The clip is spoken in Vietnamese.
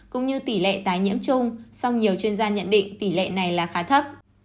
cũng như tỷ lệ tái nhiễm chung song nhiều chuyên gia nhận định tỷ lệ này là khá thấp